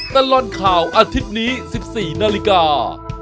ตลอดข่าวอาทิตย์นี้๑๔นาฬิกา